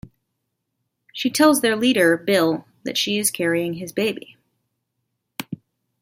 She tells their leader, Bill, that she is carrying his baby.